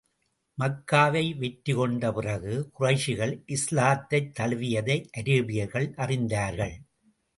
மக்காவை வெற்றி கொண்ட பிறகு, குறைஷிகள் இஸ்லாத்தைத் தழுவியதை அரேபியர்கள் அறிந்தார்கள்.